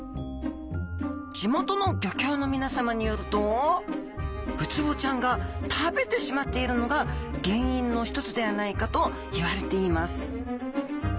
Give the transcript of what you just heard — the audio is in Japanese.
地元の漁協の皆さまによるとウツボちゃんが食べてしまっているのが原因の一つではないかといわれています。